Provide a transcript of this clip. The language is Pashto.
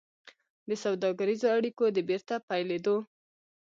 د سوداګريزو اړيکو د بېرته پيلېدو